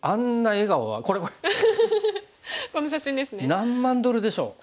何万ドルでしょう。